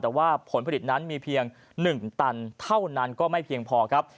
แต่ว่าผลผลิตนั้นมีเพียง๑ตันเท่านั้นก็ไม่เพียงพอครับ